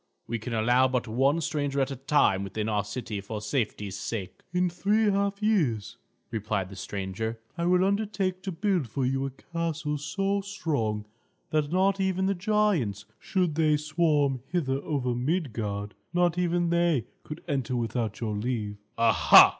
We can allow but one stranger at a time within our city, for safety's sake." "In three half years," replied the stranger, "I will undertake to build for you a castle so strong that not even the giants, should they swarm hither over Midgard not even they could enter without your leave." "Aha!"